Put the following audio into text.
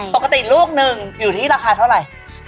ปกติลูกหนึ่งอยู่ที่ราคาเท่าไหร่